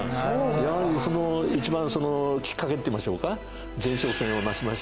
やはりその一番きっかけっていいましょうか前哨戦をなしました